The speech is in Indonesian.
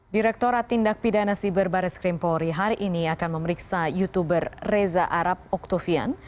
direkturat tindak pidana siber baris krimpori hari ini akan memeriksa youtuber reza arab oktovian